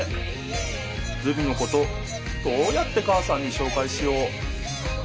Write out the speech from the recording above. ズビのことどうやって母さんにしょうかいしよう。